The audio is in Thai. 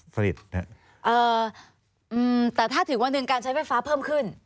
แต่ถ้าถึงวันหนึ่งการใช้ไฟฟ้าเพิ่มขึ้น